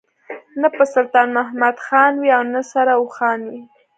نه به سلطان محمد خان وي او نه سره اوښان وي.